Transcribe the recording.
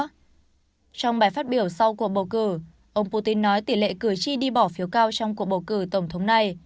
trong bài phát biểu sau cuộc bầu cử ông putin nói tỷ lệ cử tri đi bỏ phiếu cao trong cuộc bầu cử tổng thống này